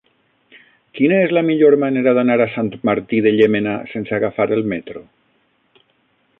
Quina és la millor manera d'anar a Sant Martí de Llémena sense agafar el metro?